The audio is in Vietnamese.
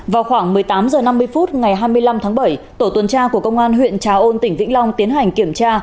vào khoảng một mươi tám h năm mươi phút ngày hai mươi năm tháng bảy tổ tuần tra của công an huyện trà ôn tỉnh vĩnh long tiến hành kiểm tra